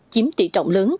chiếm trị trọng lớn